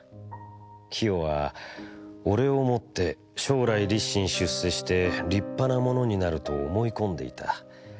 清はおれをもって将来立身出世して立派なものになると思い込んでいた。